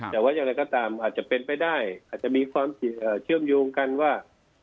แต่ว่าอย่างไรก็ตามอาจจะเป็นไปได้อาจจะมีความเชื่อมโยงกันว่า